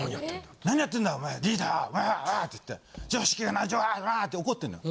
何やってんだお前リーダーわわって言って常識がないわわって怒ってんのよ。